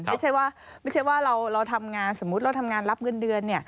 ไม่ใช่ว่าเราทำงานสมมุติเราทำงานรับเงินเดือนเนี่ย